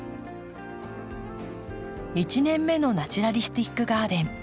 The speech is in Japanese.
１年目のナチュラリスティックガーデン。